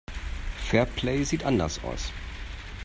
Fairplay sieht anders aus.